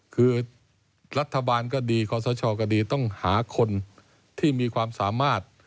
คือรัฐบาลก็ดีขอสชก็ดีต้องหาคนที่มีความสามารถ